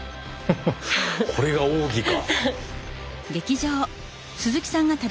これが奥義か。